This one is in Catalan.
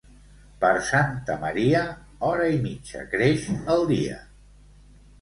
Per Santa Maria, hora i mitja creix el dia.